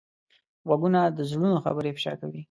غوږونه د زړونو خبرې افشا کوي